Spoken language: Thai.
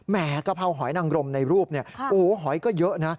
กะเพราหอยนังรมในรูปเนี่ยโอ้โหหอยก็เยอะนะ